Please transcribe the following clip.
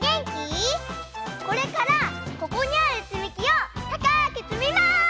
これからここにあるつみきをたかくつみます！